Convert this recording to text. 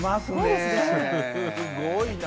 すごいな。